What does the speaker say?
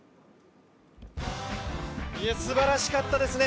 すばらしかったですね